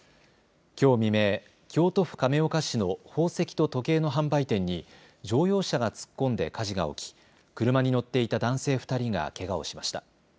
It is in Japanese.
きょう未明、京都府亀岡市の宝石と時計の販売店に乗用車が突っ込んで火事が起き、車に乗っていた男性２人がけがをしました。